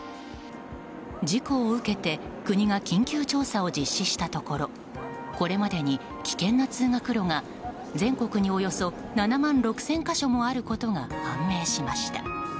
事故を受けて国が緊急調査を実施したところこれまでに危険な通学路が全国におよそ７万６０００か所もあることが判明しました。